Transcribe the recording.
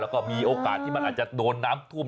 แล้วก็มีโอกาสที่มันอาจจะโดนน้ำท่วม